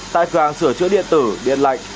tại cửa hàng sửa chữa điện tử điện lạnh